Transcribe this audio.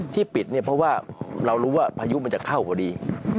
ที่ปิดเนี่ยเพราะว่าเรารู้ว่าพายุมันจะเข้าพอดี